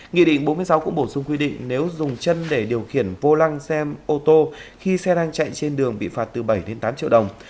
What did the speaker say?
nghị định bốn mươi sáu cũng bổ sung quy định nếu dùng chân để điều khiển vô lăng xe ô tô khi xe đang chạy trên đường bị phạt từ bảy tám triệu đồng